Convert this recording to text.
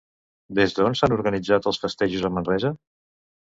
Des d'on s'han organitzat els festejos a Manresa?